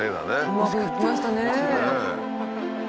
うまくいきましたね。